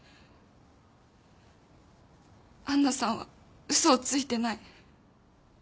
杏奈さんは嘘をついてない。